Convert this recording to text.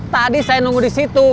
tadi saya nunggu disitu